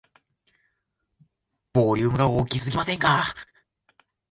ボリュームが大きすぎませんか